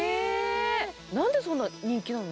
なんでそんなに人気なの？